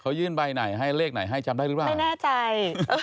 เขายื่นใบไหนให้เลขไหนให้จำได้หรือเปล่าไม่แน่ใจ